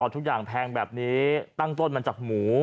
ทุกอย่างแพงแบบนี้ตั้งต้นมาจากหมู